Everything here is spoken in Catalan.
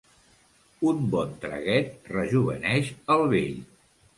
Un bon traguet rejoveneix el vell.